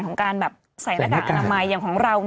ของการแบบใส่หน้ากากอนามัยอย่างของเรา